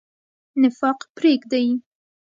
نفاق پریږدئ.